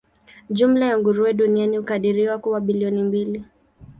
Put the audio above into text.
Jumla ya nguruwe duniani hukadiriwa kuwa bilioni mbili.